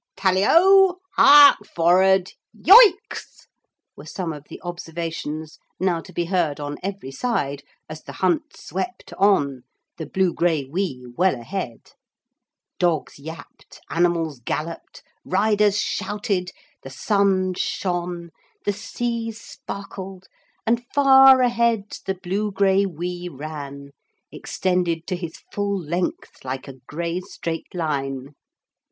'Tally Ho! Hark forrad! Yoicks!' were some of the observations now to be heard on every side as the hunt swept on, the blugraiwee well ahead. Dogs yapped, animals galloped, riders shouted, the sun shone, the sea sparkled, and far ahead the blugraiwee ran, extended to his full length like a grey straight line.